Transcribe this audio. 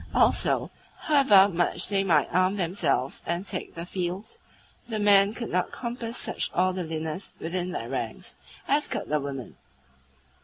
Also, however much they might arm themselves and take the field, the men could not compass such orderliness within their ranks as could the women.